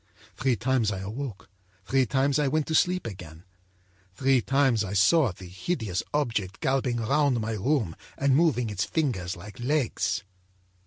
Three times I awoke, three times I went to sleep again; three times I saw the hideous object galloping round my room and moving its fingers like legs.